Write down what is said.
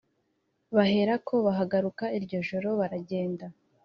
baherako bahaguruka iryo joro, baragenda